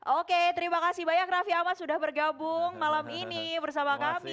oke terima kasih banyak raffi ahmad sudah bergabung malam ini bersama kami